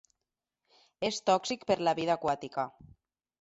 És tòxic per la vida aquàtica.